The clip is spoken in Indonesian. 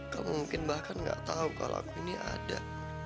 kamu mungkin bahkan gak tahu kalau aku ini ada